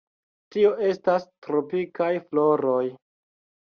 Tio estas tropikaj floroj.